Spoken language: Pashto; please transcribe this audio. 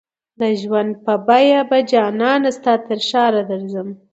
د ژوند په بیه به جانانه ستا ترښاره درځم